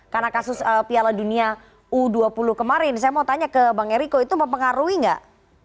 karena kasus piala dunia u dua puluh kemarin saya mau tanya ke bang ericko itu mau pengaruhi gak